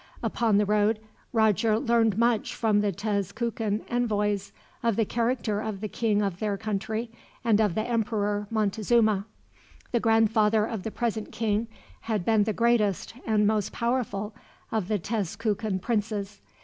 Upon the road, Roger learned much from the Tezcucan envoys of the character of the king of their country, and of the Emperor Montezuma. The grandfather of the present king had been the greatest and most powerful of the Tezcucan princes.